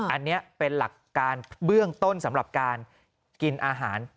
อันนี้เป็นหลักการเบื้องต้นสำหรับการกินอาหาร